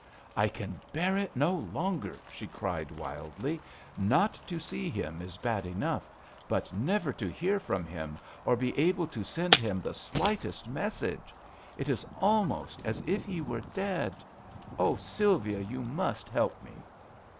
" I can bear it no longer!" she cried, wildly. " Not to see him is bad enough, but never to hear from him or be able to send him the slightest message ; it is al most as if he were dead. Sylvia, you must help me.